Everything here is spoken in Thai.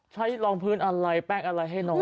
ใช้รองพื้นอะไรแป้งอะไรให้น้อง